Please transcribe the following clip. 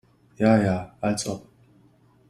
Ja ja, als ob!